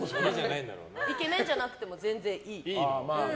イケメンじゃなくても全然いい。